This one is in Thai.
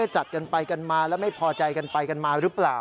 จัดกันไปกันมาแล้วไม่พอใจกันไปกันมาหรือเปล่า